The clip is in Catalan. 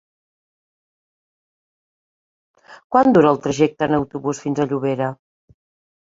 Quant dura el trajecte en autobús fins a Llobera?